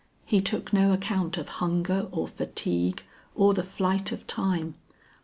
He took no account of hunger or fatigue or the flight of time.